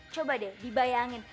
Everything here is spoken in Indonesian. coba deh dibayangin